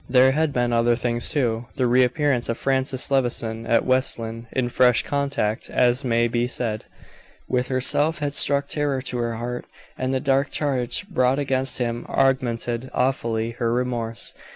There had been other things, too. The re appearance of Francis Levison at West Lynne, in fresh contact, as may be said, with herself, had struck terror to her heart, and the dark charge brought against him augmented awfully her remorse.